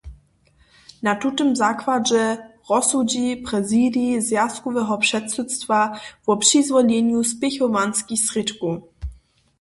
Na tutym zakładźe rozsudźi prezidij zwjazkoweho předsydstwa wo přizwolenju spěchowanskich srědkow.